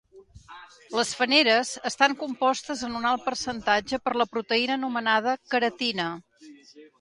Les fàneres estan compostes en un alt percentatge per la proteïna anomenada queratina.